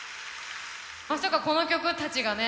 まさかこの曲たちがね